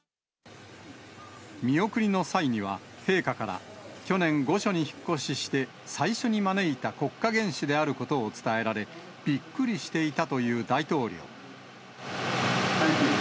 見送りの際には、陛下から、去年、御所に引っ越しして、最初に招いた国家元首であることを伝えられ、びっくりしていたという大統領。